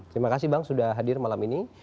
terima kasih bang sudah hadir malam ini